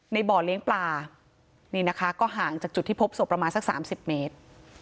บ่อเลี้ยงปลานี่นะคะก็ห่างจากจุดที่พบศพประมาณสักสามสิบเมตร